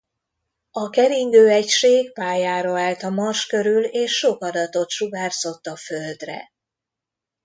A keringő egység pályára állt a Mars körül és sok adatot sugárzott a Földre.